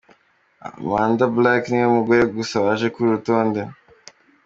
Amanda Blake niwe mugore gusa waje kuri uru rutonde.